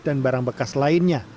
dan barang bekas lainnya